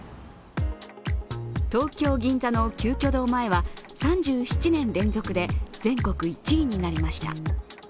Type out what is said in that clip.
東京・銀座の鳩居堂前は３７年連続で全国１位になりました。